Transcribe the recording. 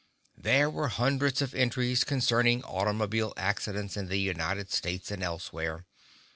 There were hundreds of entries concerning automobile accidents in the United States and elsewhere.